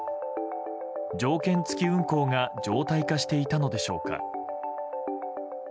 条件付き運航が常態化していたのでしょうか。